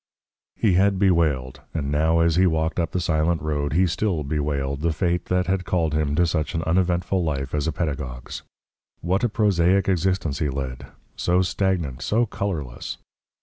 He had bewailed, and now as he walked up the silent road he still bewailed, the fate that had called him to such an uneventful life as a pedagogue's. What a prosaic existence he led, so stagnant, so colourless!